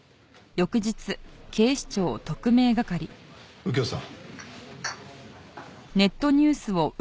右京さん。